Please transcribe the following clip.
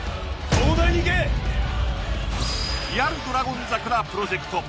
リアル「ドラゴン桜」プロジェクト